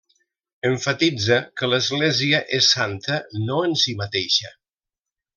Emfatitza que l'Església és santa, no en si mateixa.